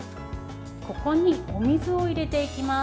ここにお水を入れていきます。